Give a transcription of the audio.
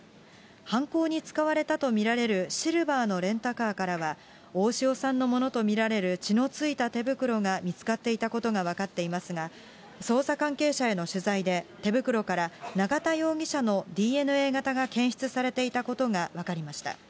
犯行に使われたと見られるシルバーのレンタカーからは、大塩さんのものと見られる血のついた手袋が見つかっていたことが分かっていますが、捜査関係者への取材で、手袋から永田容疑者のＤＮＡ型が検出されていたことが分かりました。